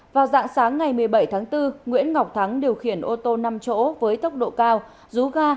vào dạng sáng ngày một mươi bảy tháng bốn nguyễn ngọc thắng điều khiển ô tô năm chỗ với tốc độ cao rú ga